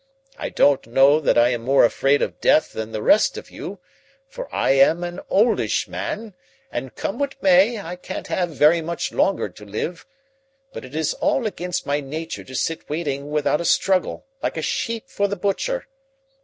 I don't know that I am more afraid of death than the rest of you, for I am an oldish man, and, come what may, I can't have very much longer to live; but it is all against my nature to sit waiting without a struggle like a sheep for the butcher.